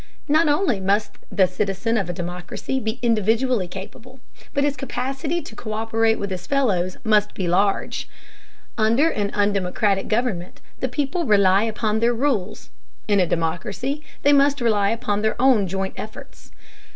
Not only must the citizen of a democracy be individually capable, but his capacity to co÷perate with his fellows must be large. Under an undemocratic government the people rely upon their rulers; in a democracy they must rely upon their own joint efforts.